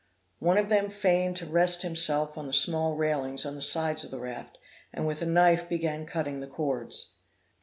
One of them feigned to rest himself on the small railings on the sides of the raft, and with a knife began cutting the cords.